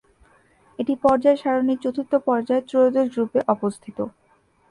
এটি পর্যায় সারণীর চতুর্থ পর্যায়ে, ত্রয়োদশ গ্রুপে অবস্থিত।